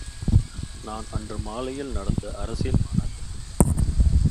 நான் அன்று மாலையில் நடந்த அரசியல் மாநாட்டுக்குச் சென்றேன்.